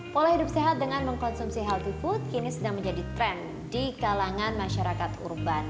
pola hidup sehat dengan mengkonsumsi healthy food kini sedang menjadi tren di kalangan masyarakat urban